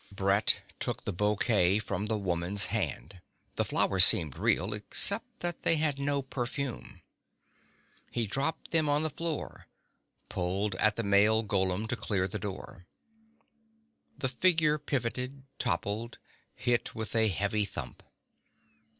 Brett took the bouquet from the woman's hand. The flowers seemed real except that they had no perfume. He dropped them on the floor, pulled at the male golem to clear the door. The figure pivoted, toppled, hit with a heavy thump.